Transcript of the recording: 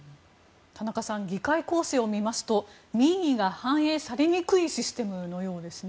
議会構成を見ますと民意が反映されにくいシステムのようですね。